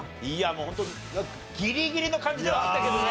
もうホントギリギリの感じではあったけどね。